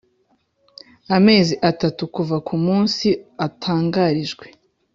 amezi atatu kuva ku munsi atangarijwe.